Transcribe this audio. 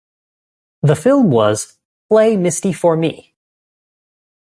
The film was "Play Misty for Me".